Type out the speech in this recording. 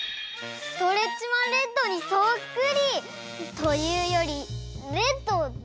ストレッチマンレッドにそっくり！というよりレッドだよね？